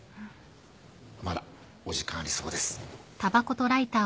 まだお時間ありそうです。